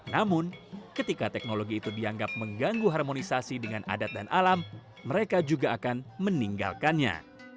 namun ketika teknologi itu dianggap mengganggu harmonisasi dengan adat dan alam mereka juga akan meninggalkannya